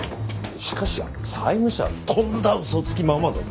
しかし債務者はとんだ嘘つきママだぞ。